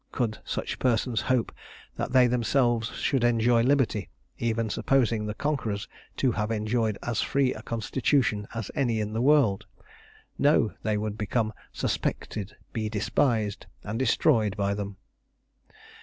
Could such persons hope that they themselves should enjoy liberty, even supposing the conquerors to have enjoyed as free a constitution as any in the world? No; they would become suspected, be despised, and destroyed by them.